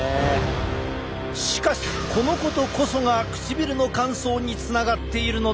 しかしこのことこそが唇の乾燥につながっているのだ。